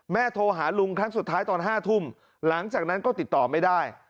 โทรหาลุงครั้งสุดท้ายตอน๕ทุ่มหลังจากนั้นก็ติดต่อไม่ได้